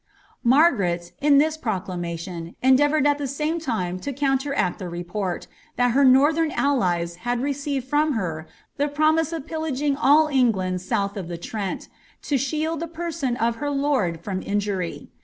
Margaret, in this proclamation, endeavoured at the same time to coun teract Uie report, that her northern allies had received from her the pit> miaa of pillaging all England south of the Trent, to shield the person of her lord from injury.